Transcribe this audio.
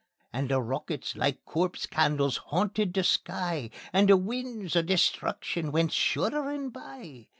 And the rockets like corpse candles hauntit the sky, And the winds o' destruction went shudderin' by.